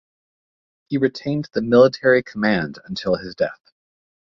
He retained the military command until his death.